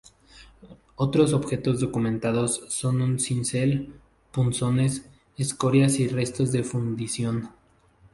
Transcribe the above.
Otros objetos documentados son un cincel, punzones, escorias y restos de fundición.